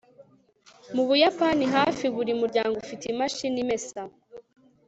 mu buyapani, hafi buri muryango ufite imashini imesa